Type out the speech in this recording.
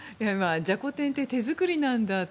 じゃこ天って手作りなんだって。